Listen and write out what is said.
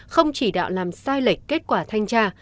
không chỉ đạo làm sai lệch kết quả thanh tra